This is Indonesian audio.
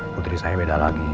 putri saya beda lagi